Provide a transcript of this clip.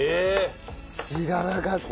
知らなかった！